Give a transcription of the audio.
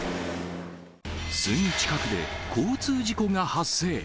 すぐ近くで、交通事故が発生。